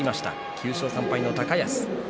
９勝３敗の高安。